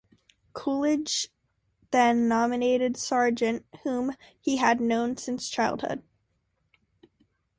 Coolidge then nominated Sargent, whom he had known since childhood.